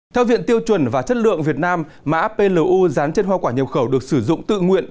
theo viện tiêu chuẩn và chất lượng việt nam mã plou dán trên hoa quả nhập khẩu được sử dụng tự nguyện